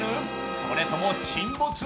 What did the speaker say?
それとも沈没？